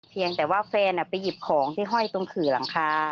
เพียงแต่ว่าแฟนไปหยิบของที่ห้อยตรงขื่อหลังคา